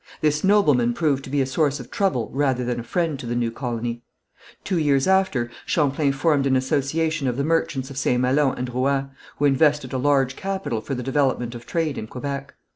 This nobleman proved to be a source of trouble rather than a friend to the new colony. Two years after, Champlain formed an association of the merchants of St. Malo and Rouen, who invested a large capital for the development of trade in Quebec.